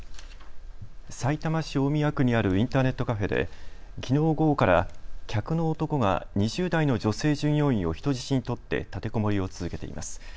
さいたま市大宮区にあるインターネットカフェできのう午後から、客の男が２０代の女性従業員を人質に取って立てこもりを続けています。